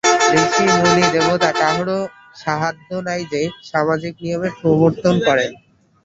ঋষি, মুনি, দেবতা কাহারও সাধ্য নাই যে, সামাজিক নিয়মের প্রবর্তন করেন।